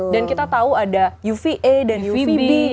dan kita tahu ada uva dan uvb